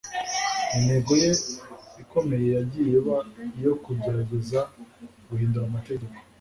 Intego ye ikomeye yagiye iba iyo kugerageza guhindura amategeko